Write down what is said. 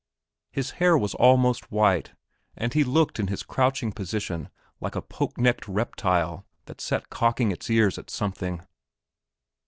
His hair was almost white, and he looked in his crouching position like a poke necked reptile that sat cocking its ears at something.